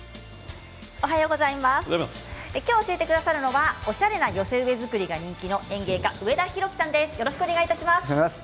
今日教えてくださるのはおしゃれな寄せ植え作りが人気の園芸家、上田広樹さんです。